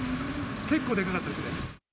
結構でかかったですね。